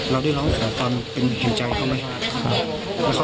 แล้วได้ร้องขอเป็นพินใจ